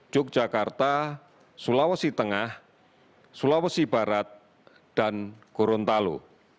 jogjakarta sulawesi tengah sulawesi barat dan kuruntalo